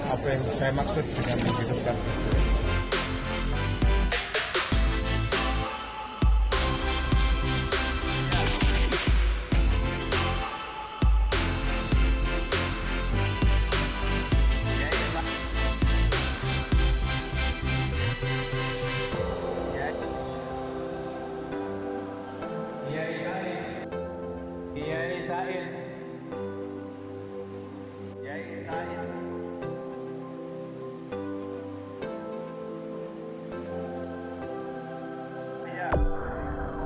apa yang saya maksud dengan menghidupkan gusur